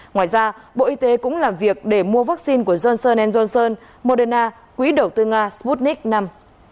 ngoài ra bộ y tế cũng làm việc để mua vaccine của johnson johnson moderna quỹ đầu tư nga sputnik v